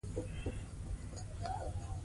بیرغ ورته ونیسه.